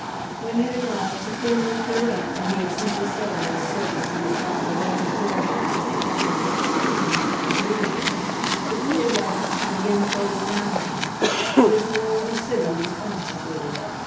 When it had all supremely cleared up and he had simply settled this service to his daughter well before him as the proper direction of his young friend's leisure, the cool darkness had again closed round him, but his moral lucidity was constituted.